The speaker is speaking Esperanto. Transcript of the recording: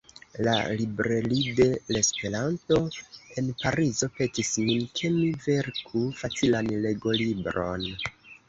La "Librairie de l' Esperanto" en Parizo petis min, ke mi verku facilan legolibron.